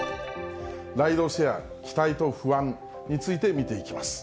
ライドシェア期待と不安について見ていきます。